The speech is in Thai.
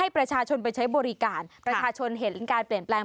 ประชาชนเห็นอันการเปลี่ยนแปลง